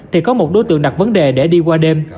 thì có một đối tượng đặt vấn đề để đi qua đêm